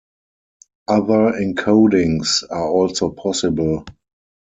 Other encodings are also possible.